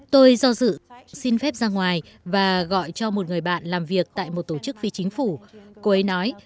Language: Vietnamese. tôi do dự xin phép ra ngoài và gọi cho một người bạn làm việc tại một tổ chức phi chính phủ cô ấy nói